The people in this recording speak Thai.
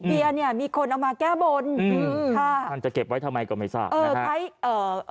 เบียร์เนี้ยมีคนเอามาแก้บนอืมค่ะท่านจะเก็บไว้ทำไมก็ไม่ทราบเออ